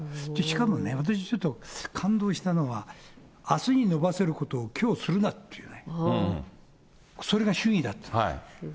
しかもね、私ちょっと感動したのは、あすに延ばせることをきょうするなっていうね、それが主義だって。